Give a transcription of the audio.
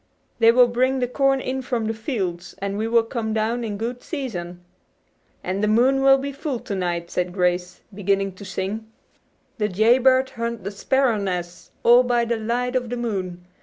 "They will bring the corn in from the fields, and we will come down in good season." "And the moon will be full to night," said Grace, beginning to sing: "'De jay bird hunt de sparrer nes', All by de light of de moon.